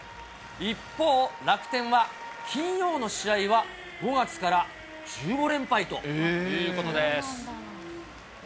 一方、楽天は金曜の試合は５月から１５連敗ということです。